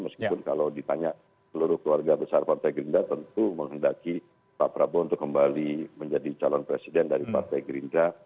meskipun kalau ditanya seluruh keluarga besar partai gerindra tentu menghendaki pak prabowo untuk kembali menjadi calon presiden dari partai gerindra